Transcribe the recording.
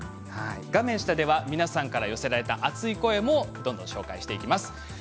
画面下では皆さんから寄せられた熱い声もどんどん紹介していきます。